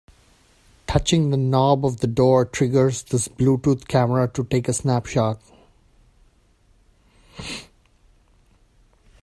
Touching the knob of the door triggers this Bluetooth camera to take a snapshot.